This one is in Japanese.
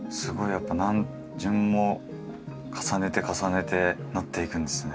やっぱ何巡も重ねて重ねて塗っていくんですね。